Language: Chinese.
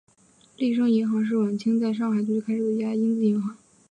利升银行是晚清在上海租界开设的一家英资银行。